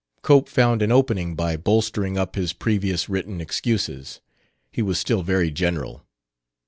Cope found an opening by bolstering up his previous written excuses. He was still very general.